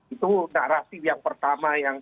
itu narasi yang pertama